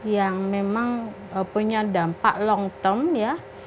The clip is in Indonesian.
yang memang punya dampak long term ya